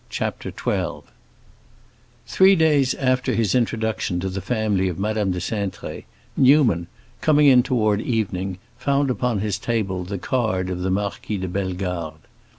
CHAPTER XII Three days after his introduction to the family of Madame de Cintré, Newman, coming in toward evening, found upon his table the card of the Marquis de Bellegarde.